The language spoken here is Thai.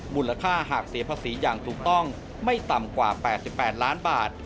มูลค่าหากเสียภาษีอย่างถูกต้องไม่ต่ำกว่า๘๘ล้านบาท